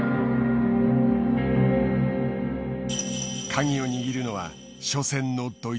カギを握るのは初戦のドイツ戦。